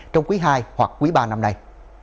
trong quý hai hoặc quý ba năm nay